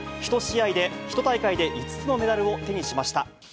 １大会で５つのメダルを手にしました。